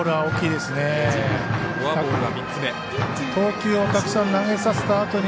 投球をたくさん投げさせたあとに